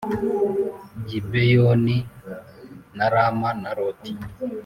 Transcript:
Gibeyoni na Rama na roti